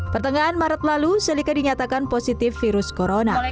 pertengahan maret lalu selika dinyatakan positif virus corona